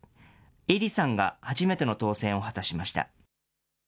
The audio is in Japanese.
英利さんが初めての当選を果たしました。